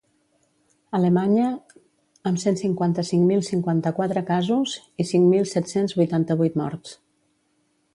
Alemanya, amb cent cinquanta-cinc mil cinquanta-quatre casos i cinc mil set-cents vuitanta-vuit morts.